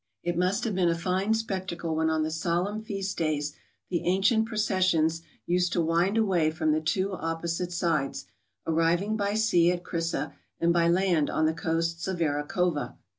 It must have been a fine spectacle when on 172 MOUNTAIN ADVENTURES. the solemn feast days the ancient processions used to wind away from the two opposite sides, arriving by sea at Crissa, and by land on the coasts of Arachova.